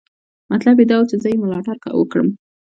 مطلب یې دا و چې زه یې ملاتړ وکړم.